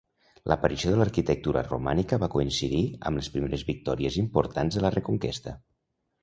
L'aparició de l'arquitectura romànica va coincidir amb les primeres victòries importants de la Reconquesta.